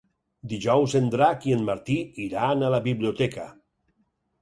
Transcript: Dijous en Drac i en Martí iran a la biblioteca.